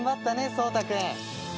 颯太君。